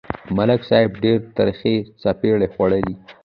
ملک صاحب ډېرې ترخې څپېړې خوړلې.